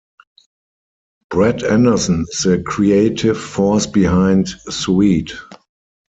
Brett Anderson is the creative force behind Suede.